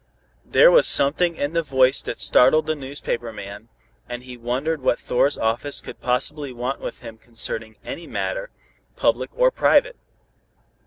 There was something in the voice that startled the newspaper man, and he wondered what Thor's office could possibly want with him concerning any matter, public or private.